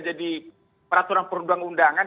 jadi peraturan perundang undangan